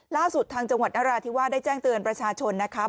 ล่าสุดทางจังหวัดนราธิวาสได้แจ้งเตือนประชาชนนะครับ